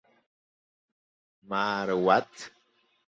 Maar wat?